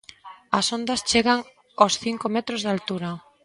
As ondas chegan aos cinco metros de altura.